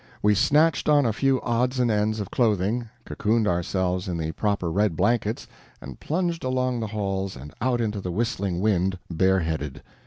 We snatched on a few odds and ends of clothing, cocooned ourselves in the proper red blankets, and plunged along the halls and out into the whistling wind bareheaded.